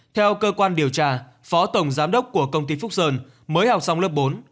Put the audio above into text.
theo cơ quan điều tra phó tổng giám đốc của công ty phúc sơn mới học xong lớp bốn